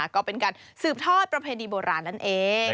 ก็เป็นการสืบทอดประเพณีโบราณนั่นเอง